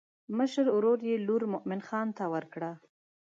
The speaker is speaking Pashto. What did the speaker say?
مشر ورور یې لور مومن خان ته ورکړه.